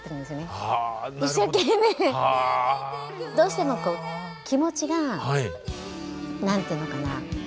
どうしてもこう気持ちが何て言うのかな